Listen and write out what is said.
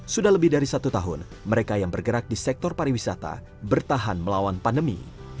sudah lebih dari satu tahun mereka yang bergerak di sektor pariwisata bertahan melawan pandemi